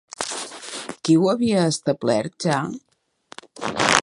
Qui ho havia establert ja?